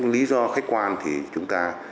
lý do khách quan thì chúng ta